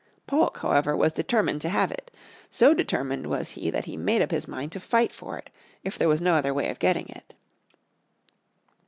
Polk, however, was determined to have it. So determined was he that he made up his mind to fight for it, if there was no other way of getting it.